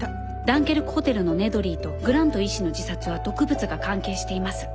ダンケルクホテルのネドリーとグラント医師の自殺は毒物が関係しています。